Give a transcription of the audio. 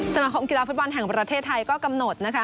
สมาคมกีฬาฟุตบอลแห่งประเทศไทยก็กำหนดนะคะ